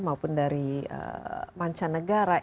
maupun dari mancanegara